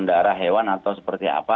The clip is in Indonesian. darah hewan atau seperti apa